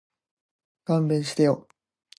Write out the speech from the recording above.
勘弁してよ